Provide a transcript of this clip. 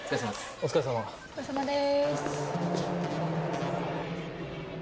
お疲れさまです。